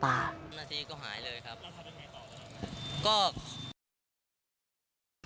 นาทีก็หายเลยครับ